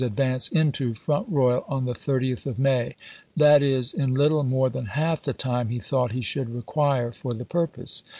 advance into Front Royal on the 30th of May; that is, in little more than half the time he thought he should require for the purpose.